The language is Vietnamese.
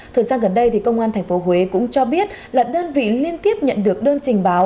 thời gian gần đây công an tp huế cũng cho biết là đơn vị liên tiếp nhận được đơn trình báo